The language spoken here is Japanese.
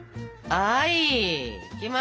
はい！